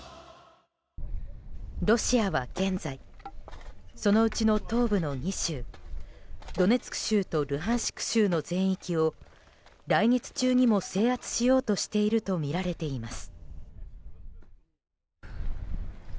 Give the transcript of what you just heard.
ロシアは現在そのうちの東部の２州ドネツク州とルハンシク州の全域を来月中にも制圧しようとしているとみられています。